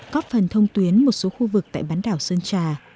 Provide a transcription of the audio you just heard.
có phần thông tuyến một số khu vực tại bán đảo sơn trà